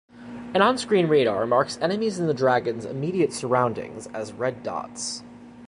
An onscreen radar marks enemies in the dragon's immediate surroundings as red dots.